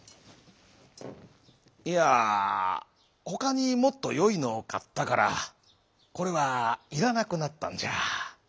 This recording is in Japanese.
「いやほかにもっとよいのをかったからこれはいらなくなったんじゃ」。